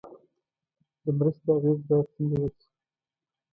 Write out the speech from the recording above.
د مرستې اغېز باید سنجول شي.